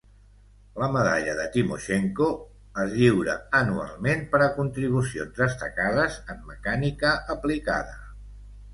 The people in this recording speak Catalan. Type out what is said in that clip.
La Medalla de Timoshenko es lliura anualment per a contribucions destacades en mecànica aplicada.